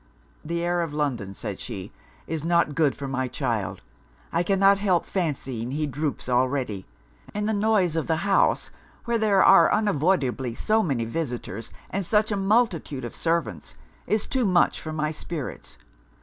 'The air of London,' said she, 'is not good for my child: I cannot help fancying he droops already. And the noise of a house where there are unavoidably so many visitors, and such a multitude of servants, is too much for my spirits.